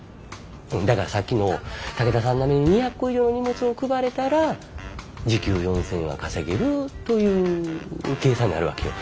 だからさっきの武田さん並みに２００個以上の荷物を配れたら時給４，０００円は稼げるという計算になるわけよ。